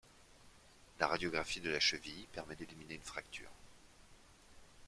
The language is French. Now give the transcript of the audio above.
La radiographie de la cheville permet d'éliminer une fracture.